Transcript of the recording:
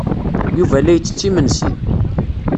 Yuba la ittett imensi.